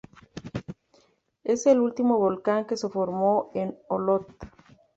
Es el último volcán que se formó en Olot.